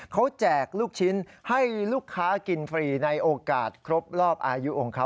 เขาแจกลูกชิ้นให้ลูกค้ากินฟรีในโอกาสครบรอบอายุของเขา